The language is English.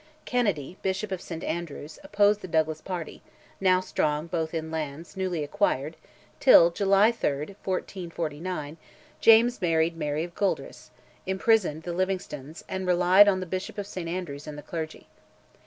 Kennedy, Bishop of St Andrews, opposed the Douglas party, now strong both in lands newly acquired, till (July 3, 1449) James married Mary of Gueldres, imprisoned the Livingstones, and relied on the Bishop of St Andrews and the clergy.